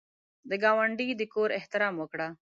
د ګاونډي د کور احترام وکړه